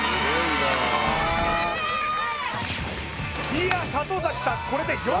いや里崎さん